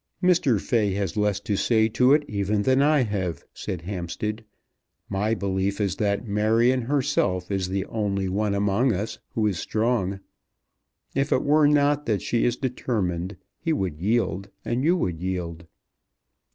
"Mr. Fay has less to say to it even than I have," said Hampstead. "My belief is that Marion herself is the only one among us who is strong. If it were not that she is determined, he would yield and you would yield."